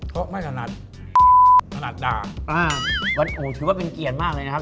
เพราะไม่ถนัดถนัดด่าอ่าวันอู๋ถือว่าเป็นเกียรติมากเลยนะครับ